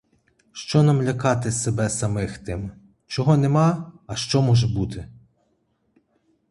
Що нам лякати себе самих тим, чого нема, а що може бути?